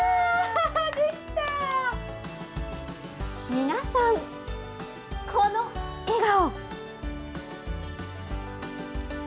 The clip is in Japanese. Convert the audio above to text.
皆さん、この笑顔。